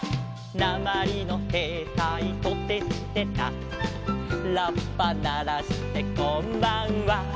「なまりのへいたいトテチテタ」「ラッパならしてこんばんは」